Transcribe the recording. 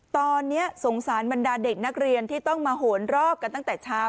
ตอนนี้สงสารบรรดาเด็กนักเรียนที่ต้องมาโหนรอบกันตั้งแต่เช้า